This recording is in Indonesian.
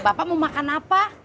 bapak mau makan apa